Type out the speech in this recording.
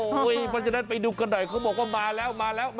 เพราะฉะนั้นไปดูกันหน่อยเขาบอกว่ามาแล้วมาแล้ว